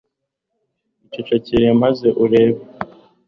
icecekere maze urebe